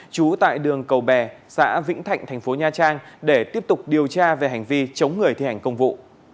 trú tại đường cầu bè xã vĩnh thạnh thành phố nha trang để tiếp tục điều tra về hành vi chống người thi hành công vụ